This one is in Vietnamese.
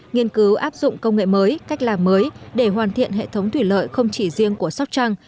nghiên cứu áp dụng công nghệ mới cách làm mới để hoàn thiện hệ thống thủy lợi không chỉ riêng của sóc trăng